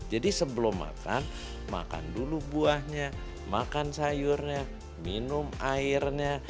jadi sebelum makan makan dulu buahnya makan sayurnya minum airnya